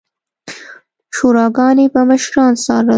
شوراګانو به مشران څارل